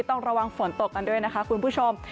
ต้องระวังฝนตกกันด้วยนะคะคุณผู้ชม